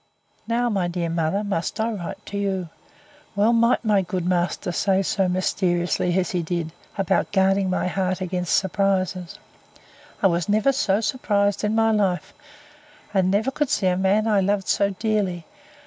Now, my dear mother, must I write to you. Well might my good master say so mysteriously as he did, about guarding my heart against surprises. I never was so surprised in my life; and never could see a man I loved so dearly!